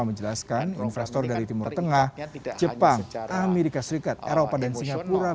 menjelaskan investor dari timur tengah jepang amerika serikat eropa dan singapura